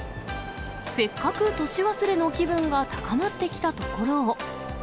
せっかく年忘れの気分が高まってきたところを。